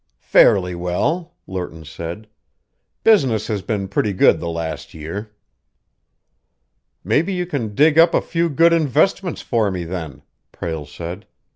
"Fairly well," Lerton said. "Business has been pretty good the last year." "Maybe you can dig up a few good investments for me, then," Prale said.